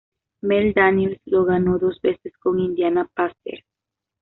Mel Daniels lo ganó dos veces con Indiana Pacers.